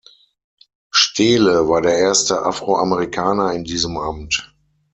Steele war der erste Afroamerikaner in diesem Amt.